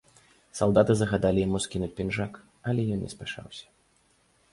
Салдаты загадалі яму скінуць пінжак, але ён не спяшаўся.